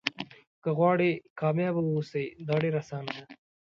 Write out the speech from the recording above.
که غواړئ کامیابه واوسئ دا ډېره اسانه ده.